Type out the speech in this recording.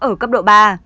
ở cấp độ ba